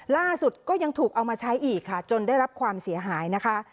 ล่าสุดก็ยังถูกเอามาใช้อีกค่ะจนได้รับความเสียหายนะคะ